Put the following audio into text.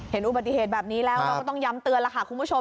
เห็นอุบัติเหตุแบบนี้แล้วเราก็ต้องย้ำเตือนแล้วค่ะคุณผู้ชม